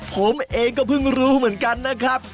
ผมเองก็เพิ่งรู้เหมือนกันนะครับ